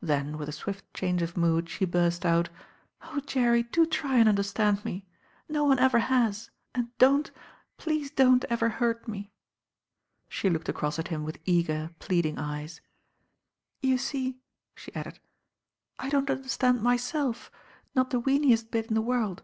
Then with a swift change of mood she burst out, "Oh, Jerry, do try and understand me ! No one ever has, and don't, please don't, ever hurt me." She looked across at him with eager, pleading eyes. I 980 M THE RAIN OIRL "You lec," she added, "I don't understand .nyielf, not the weeniest bit in the world."